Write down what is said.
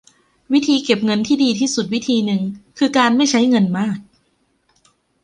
วิธีเก็บเงินที่ดีที่สุดวิธีนึงคือการไม่ใช่เงินมาก